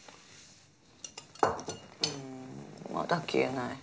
うーんまだ消えない。